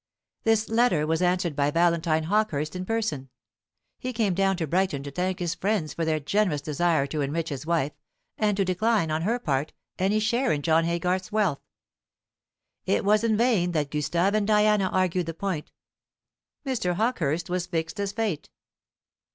This letter was answered by Valentine Hawkehurst in person. He came down to Brighton to thank his friends for their generous desire to enrich his wife, and to decline, on her part, any share in John Haygarth's wealth. It was in vain that Gustave and Diana argued the point, Mr. Hawkehurst was fixed as fate.